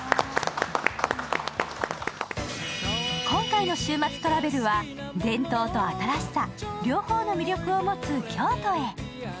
今回の「週末トラベル」は伝統と新しさ両方の魅力を持つ京都へ。